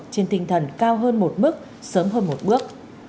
trên tinh thần cao hơn một mức sớm hơn một bước